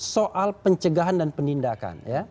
soal pencegahan dan penindakan